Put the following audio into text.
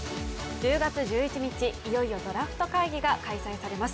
１０月１１日、いよいよドラフト会議が開催されます。